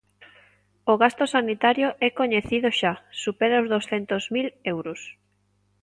O gasto sanitario é coñecido xa, supera os douscentos mil euros.